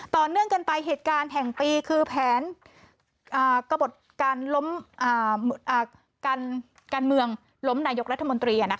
ต่อเนื่องกันไปเหตุการณ์แห่งปีคือแผนกระบดการล้มการเมืองล้มนายกรัฐมนตรี